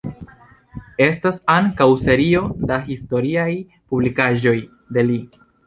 Estas ankaŭ serio da historiaj publikigaĵoj de li.